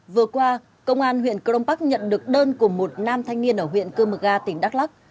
vừa qua công an huyện cương bắc nhận được đơn của một nam thanh niên ở huyện cương bắc tỉnh đắk lắc